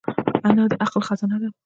انا د عقل خزانه ده